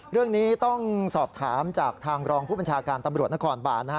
เรื่องนี้ต้องสอบถามจากทางรองผู้บัญชาการตำรวจนครบาน